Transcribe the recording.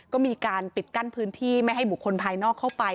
ก็มีการปิดกั้นพื้นที่ไม่ให้บุคคลภายนอกเข้าไป